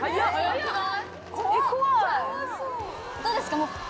どうですか？